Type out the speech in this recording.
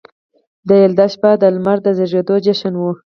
د یلدا شپه د لمر د زیږیدو جشن و